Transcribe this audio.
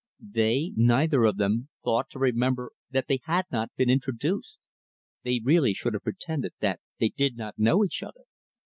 They, neither of them, thought to remember that they had not been introduced. They really should have pretended that they did not know each other.